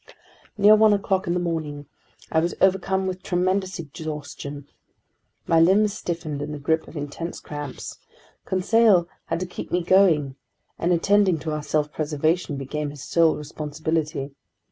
Near one o'clock in the morning, I was overcome with tremendous exhaustion. My limbs stiffened in the grip of intense cramps. Conseil had to keep me going, and attending to our self preservation became his sole responsibility.